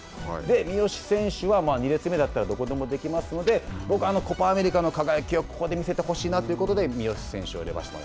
三好選手は２列目だったらどこでもできますので、コパ・アメリカの輝きをここで見せてほしいなということで三好選手を入れました。